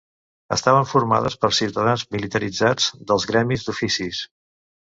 Estaven formades per ciutadans militaritzats dels gremis d'Oficis.